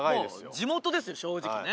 地元ですよ正直ね。